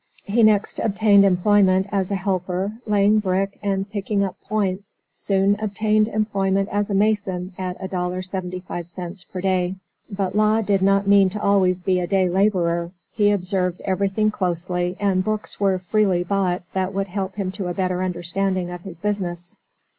He next obtained employment as a helper, laying brick and 'picking up points,' soon obtained employment as a mason at $1.75 per day. But George Law did not mean to always be a day laborer, he observed everything closely, and books were freely bought that would help him to a better understanding of his business.